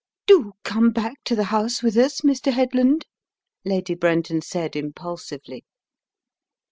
"Do come back to the house with us, Mr. Head land/* Lady Brenton said, impulsively.